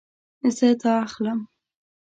زه دا اخلم